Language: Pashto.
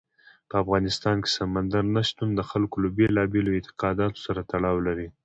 په افغانستان کې سمندر نه شتون د خلکو له بېلابېلو اعتقاداتو سره تړاو لري.